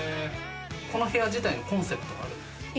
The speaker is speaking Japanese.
この部屋自体のコンセプトはある？